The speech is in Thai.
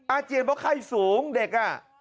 อาเจียนเพราะไข้สูงเด็กอ่ะ